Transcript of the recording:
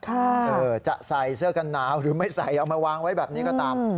เออจะใส่เสื้อกันหนาวหรือไม่ใส่เอามาวางไว้แบบนี้ก็ตาม